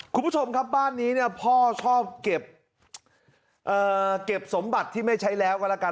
คุณผู้ชมครับบ้านนี้เนี่ยพ่อชอบเก็บสมบัติที่ไม่ใช้แล้วก็ละกัน